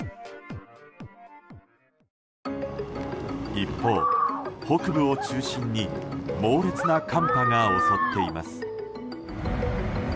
一方、北部を中心に猛烈な寒波が襲っています。